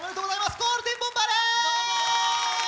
ゴールデンボンバーです！